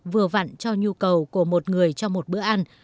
vừa vặn cho nhu cầu của một người cho một bữa ăn